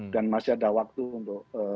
dan masih ada waktu untuk